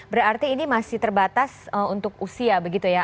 berarti ini masih terbatas untuk usia begitu ya